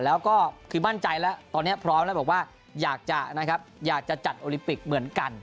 แล้วก็คือมั่นใจแล้วตอนนี้พร้อมแล้วบอกว่าอยากจะนะครับอยากจะจัดโอลิมปิกเหมือนกัน